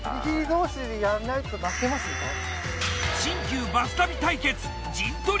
新旧バス旅対決陣取り